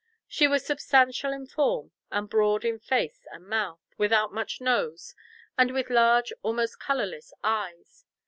She was substantial in form, and broad in face and mouth, without much nose, and with large almost colourless eyes.